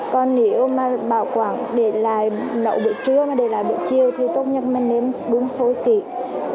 còn nếu mà bảo quản để lại nấu bữa trưa mà để lại bữa chiều thì tốt nhất mình nếm bún xôi kịp